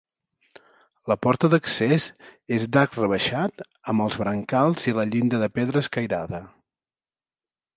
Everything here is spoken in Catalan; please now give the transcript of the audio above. La porta d'accés és d'arc rebaixat, amb els brancals i la llinda de pedra escairada.